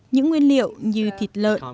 những nguyên liệu như thịt lợn